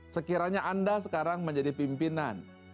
sekiranya anda sekarang menjadi pimpinan